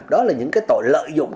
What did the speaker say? đó là những cái tội lợi dụng